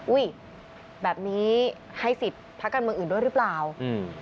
อุ้ยแบบนี้ให้สิทธิ์พักการเมืองอื่นด้วยหรือเปล่าอืม